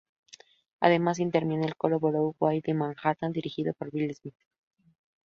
Además, interviene el "Coro Borough-Wide de Manhattan", dirigido por Bill Smith.